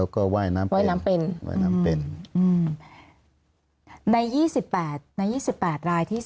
คนขับภรรยาคนขับ